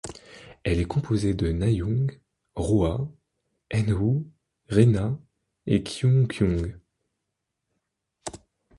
Elle est composée de Nayoung, Roa, Eunwoo, Rena et Kyulkyung.